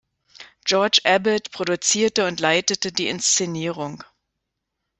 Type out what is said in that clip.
George Abbott produzierte und leitete die Inszenierung.